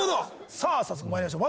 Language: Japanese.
さあ早速まいりましょう。